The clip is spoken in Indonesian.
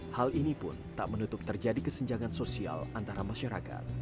hal ini pun tak menutup terjadi kesenjangan sosial antara masyarakat